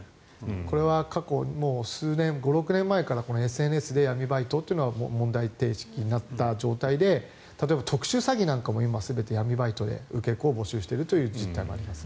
これは過去数年５６年前からＳＮＳで闇バイトというのは問題っていう意識になった状態で例えば、特殊詐欺なんかも今、全て闇バイトで受け子を募集している実態がありますね。